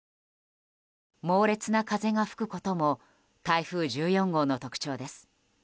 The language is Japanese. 猛烈な風が吹くことも台風１４号の特徴です。